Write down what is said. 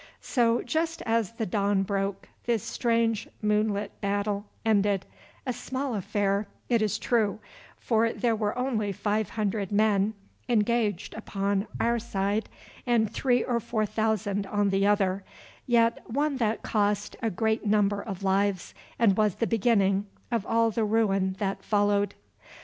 So, just as the dawn broke this strange moonlit battle ended, a small affair, it is true, for there were only five hundred men engaged upon our side and three or four thousand on the other, yet one that cost a great number of lives and was the beginning of all the ruin that followed.